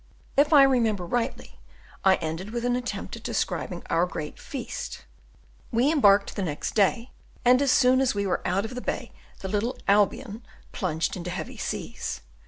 If I remember rightly, I ended with an attempt at describing our great feast. We embarked the next day, and as soon as we were out of the bay the little Albion plunged into heavy seas.